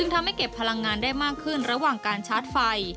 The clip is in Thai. ทำให้เก็บพลังงานได้มากขึ้นระหว่างการชาร์จไฟ